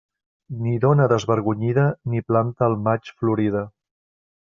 Ni dona desvergonyida ni planta al maig florida.